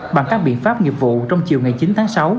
bằng các biện pháp nghiệp vụ trong chiều ngày chín tháng sáu